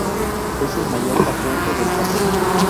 Es el mayor afluente del Pas.